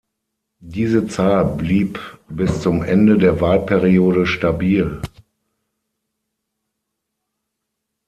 Diese Zahl blieb bis zum Ende der Wahlperiode stabil.